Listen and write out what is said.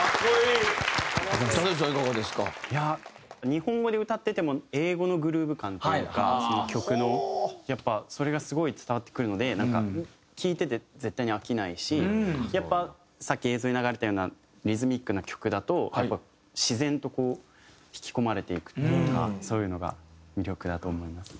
日本語で歌ってても英語のグルーヴ感というか曲のやっぱそれがすごい伝わってくるのでなんか聞いてて絶対に飽きないしやっぱさっき映像に流れたようなリズミックな曲だと自然とこう引き込まれていくっていうかそういうのが魅力だと思います。